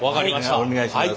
お願いします。